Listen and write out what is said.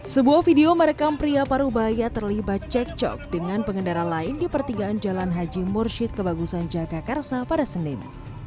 sebuah video merekam pria parubaya terlibat cekcok dengan pengendara lain di pertigaan jalan haji murshid kebagusan jakarta pada senin